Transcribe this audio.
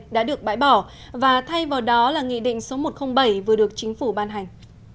đã được bãi bỏ và thay vào đó là nghị định số một trăm linh bảy vừa được chính phủ ban hành